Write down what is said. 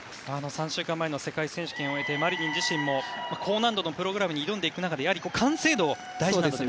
３週間前の世界選手権を終えてマリニンも高難度のプログラムに挑んでいく中完成度が大切だと。